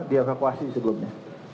dia evakuasi sebelumnya